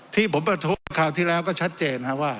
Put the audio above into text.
ที่ผมประท้วงครั้วที่แล้วก็ชัดเจน